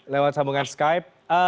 lewat sambungan skype